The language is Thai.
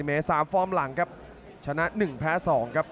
อื้อหือจังหวะขวางแล้วพยายามจะเล่นงานด้วยซอกแต่วงใน